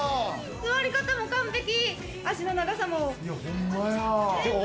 座り方も完璧、足の長さも。ほんまや。